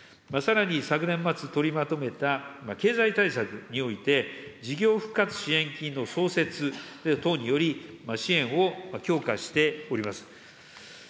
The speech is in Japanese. さらに、昨年末取りまとめた経済対策において、事業復活支援金の創設等により、支援を強化しております。